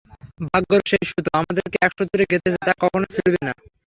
ভাগ্যের যেই সুতো আমাদেরকে একসূত্রে গেঁথেছে, তা কখনও ছিঁড়বে না।